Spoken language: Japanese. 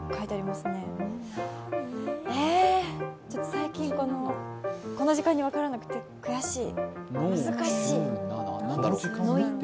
最近、この時間に分からなくて悔しい。